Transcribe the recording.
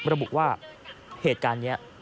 ระบุว่าเหตุการณ์นี้